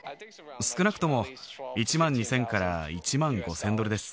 少なくとも１万２０００から１万５０００ドルです。